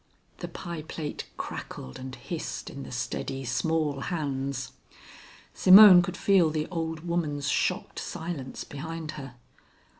The pie plate crackled and hissed in the steady, small hands. Simone could feel the old woman's shocked silence behind her.